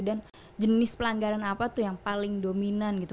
dan jenis pelanggaran apa tuh yang paling dominan gitu